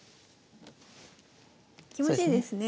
気持ちいいですね。